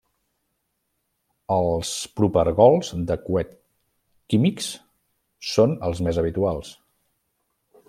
Els propergols de coet químics són els més habituals.